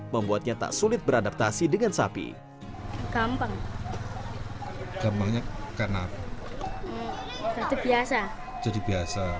membuatnya tak sulit beradaptasi dengan sapi